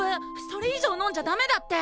それ以上飲んじゃダメだって！